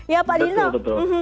ya betul betul